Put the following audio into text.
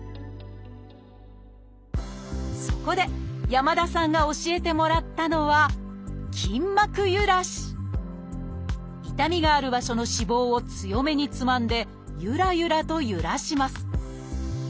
そこで山田さんが教えてもらったのは痛みがある場所の脂肪を強めにつまんでゆらゆらとゆらします。